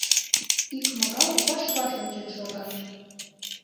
Икмагал ваш-ваш ончен шогат.